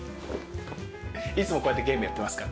いつもこうやってゲームやってますから。